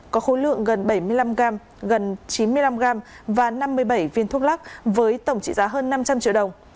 có khối lượng gần bảy mươi năm g gần chín mươi năm gram và năm mươi bảy viên thuốc lắc với tổng trị giá hơn năm trăm linh triệu đồng